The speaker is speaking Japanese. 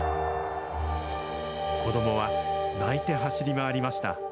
子どもは泣いて走り回りました。